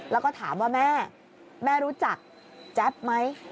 แล้วก็ถามว่าแม่แม่รู้จักแจ๊บไหม